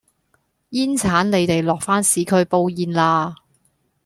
煙剷你哋落返市區煲煙啦